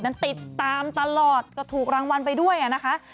นั้นติดตามตลอดก็ถูกรางวัลไปด้วยนะคะ